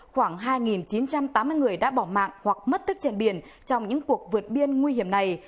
khoảng hai chín trăm tám mươi người đã bỏ mạng hoặc mất tích trên biển trong những cuộc vượt biên nguy hiểm này